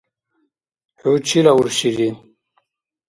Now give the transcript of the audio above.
ХӀу чила уршири?